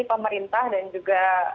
pemerintah dan juga